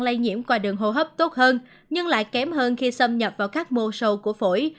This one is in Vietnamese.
lây nhiễm qua đường hô hấp tốt hơn nhưng lại kém hơn khi xâm nhập vào các mô sâu của phổi